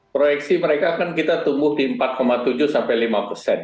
proyeksi mereka kan kita tumbuh di empat tujuh sampai lima persen